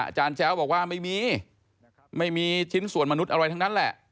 แจ้วบอกว่าไม่มีไม่มีชิ้นส่วนมนุษย์อะไรทั้งนั้นแหละ